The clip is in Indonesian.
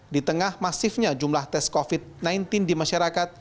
di tengah masifnya jumlah tes covid sembilan belas di masyarakat